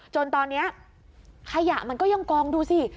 จนตอนนี้ขยะมันก็ยังกองดูสิ